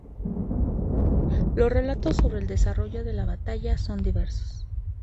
Los relatos sobre el desarrollo de la batalla son diversos.